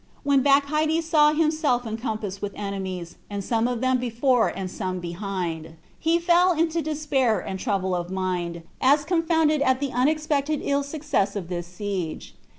And when Bacchides saw himself encompassed with enemies, and some of them before and some behind him, he fell into despair and trouble of mind, as confounded at the unexpected ill success of this siege.